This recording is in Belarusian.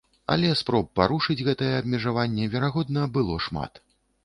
Але спроб парушыць гэтае абмежаванне, верагодна, было шмат.